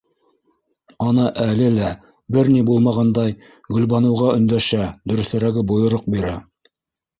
Ана әле лә, бер ни булмағандай, Гөлбаныуға өндәшә, дөрөҫөрәге - бойороҡ бирә: